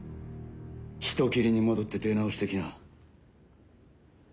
人斬りに戻って出直して来な。